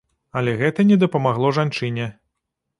Але гэта не дапамагло жанчыне.